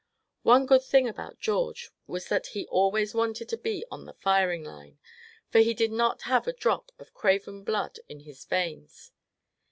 One good thing about George was that he always wanted to be on the firing line; for he did not have a drop of craven blood in his veins.